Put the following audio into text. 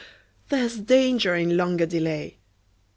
There's danger in longer delay!